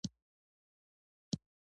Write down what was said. سهار شو او له چیغې سره ټول کارګران راجګ شول